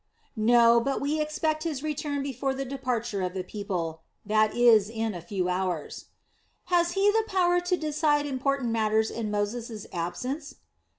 "No; but we expect his return before the departure of the people, that is in a few hours." "Has he the power to decide important matters in Moses' absence?"